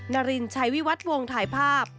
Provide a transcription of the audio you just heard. นารินชัยวิวัตวงถ่ายภาพ